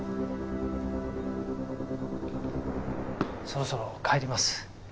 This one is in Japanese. そろそろ帰ります。